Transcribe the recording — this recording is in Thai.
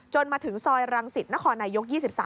มาถึงซอยรังสิตนครนายก๒๓